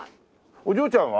お嬢ちゃんは？